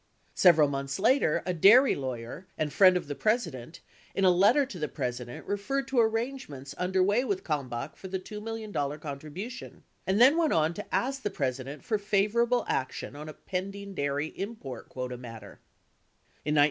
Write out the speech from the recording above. Several months later, a dairy lawyer (and friend of the President) in a letter to the President referred to arrangements under way with Kalmbach for the $2 million contribution and then went on to ask the President for favorable action on a pending dairy import quota matter.